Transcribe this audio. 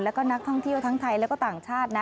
แล้วก็นักท่องเที่ยวทั้งไทยและก็ต่างชาตินะ